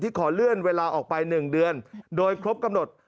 ขอเลื่อนเวลาออกไป๑เดือนโดยครบกำหนด